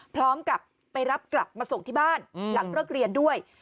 พร้อมกับไปรับกลับมาส่งที่บ้านหลังเลิกเรียนด้วย